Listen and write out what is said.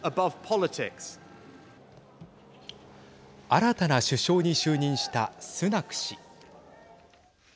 新たな首相に就任したスナク氏。